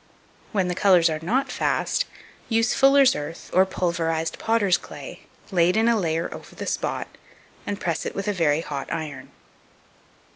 When the colours are not fast, use fuller's earth or pulverized potter's clay, laid in a layer over the spot, and press it with a very hot iron.